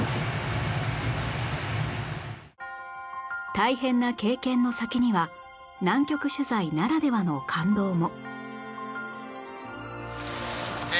大変な経験の先には南極取材ならではの感動も